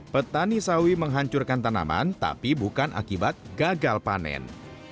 petani sawi menghancurkan tanaman tapi bukan akibat gagal panen